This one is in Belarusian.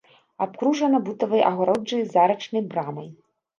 Абкружана бутавай агароджай з арачнай брамай.